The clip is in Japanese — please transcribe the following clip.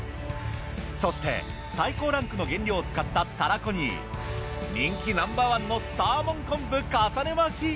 そして最高ランクの原料を使ったたらこに人気ナンバーワンのサーモン昆布重ね巻。